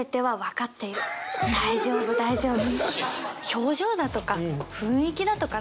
表情だとか雰囲気だとかね